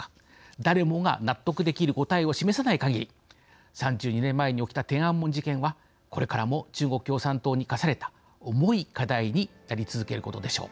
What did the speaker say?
誰もが納得できる答えを示せないかぎり３２年前に起きた天安門事件はこれからも中国共産党に課された重い課題になり続けることでしょう。